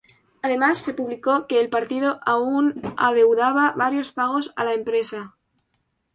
Además se publicó que el partido aún adeudaba varios pagos a la empresa.